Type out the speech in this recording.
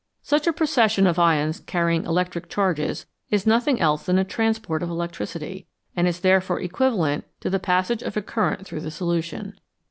Such a procession of ions carrying electric charges is nothing else than a transport of electricity, and is therefore equivalent to the passage of a current through the solution.